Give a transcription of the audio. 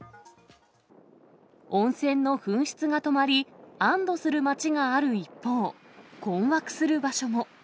温泉の噴出が止まり安どする町がある一方、困惑する場所も。